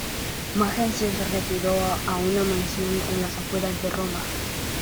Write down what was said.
Majencio se retiró a una mansión en las afueras de Roma.